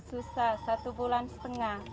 susah satu bulan setengah